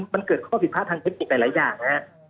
มันเกิดข้อผิดพลาดทางเทคนิคหลายอย่างนะฮะ